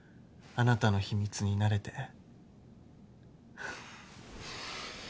あなたの秘密になれて。